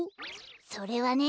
それはね